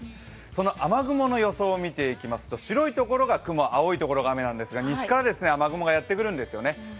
その雨雲の予想を見ていきますと、白いところが雲、青いところが雨なんですが西から雨雲がやってくるんですよね。